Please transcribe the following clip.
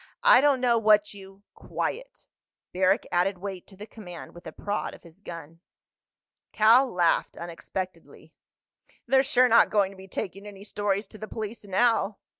"I don't know what you—" "Quiet." Barrack added weight to the command with a prod of his gun. Cal laughed unexpectedly. "They're sure not going to be taking any stories to the police now."